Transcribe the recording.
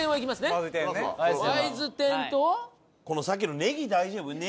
さっきのねぎ大丈夫？